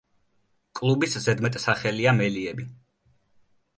კლუბის ზედმეტსახელია მელიები.